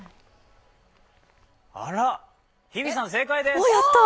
あらっ、日比さん正解です。